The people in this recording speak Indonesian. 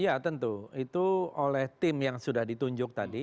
ya tentu itu oleh tim yang sudah ditunjuk tadi